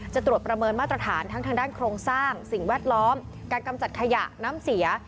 จะตรวจประเมินมาตรฐานทั้งทางด้านโครงสร้างสิ่งแวดล้อมการกำจัดขยะน้ำเสีย